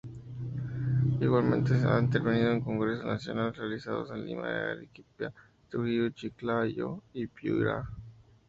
Igualmente, ha intervenido en Congresos Nacionales realizados en Lima, Arequipa, Trujillo, Chiclayo y Piura.